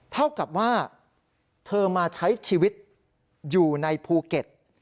เท่ากับว่าเธอมาใช้ชีวิตอยู่ในภูเก็ต